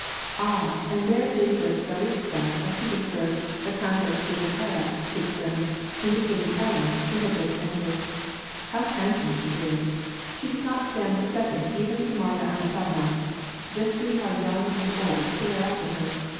^* Ah ! and there is the ts&ritsa of Petersburg, the Countess Bezukhaya," she exclaimed, indicating fiUen^ who had just en tered. *^ How handsome she is ! she does not stand second even to Marya Antonovna. Just see how young and old stare after her.